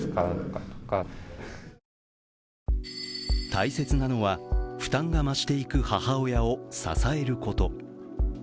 大切なのは負担が増していく母親を支えること。